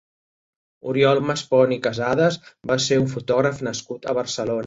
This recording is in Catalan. Oriol Maspons i Casades va ser un fotògraf nascut a Barcelona.